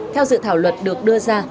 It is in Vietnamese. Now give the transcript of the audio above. theo dự thảo luật được đưa ra